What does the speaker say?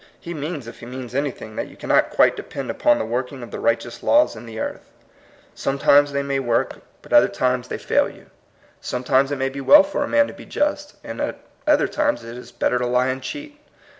He means, if he means anything, that you cannot quite depend upon the working of the righteous laws in this earth. Sometimes they may work, but at other THE DIVINE UNIVERSE. 61 times they fail you. Sometimes it may be well for a man to be just, and at other times it is better to lie and cheat.